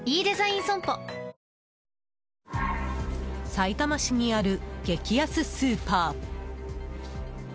さいたま市にある激安スーパー。